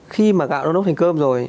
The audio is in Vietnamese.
khi mà gạo nó nốt thành cơm rồi